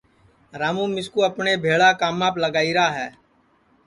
راموں مِسکُو اپٹؔے بھیݪا کاماپ لگائیرا ہے